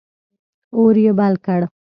اور یې بل کړ.